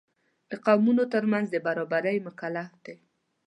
د قومونو تر منځ د برابرۍ مکلف دی.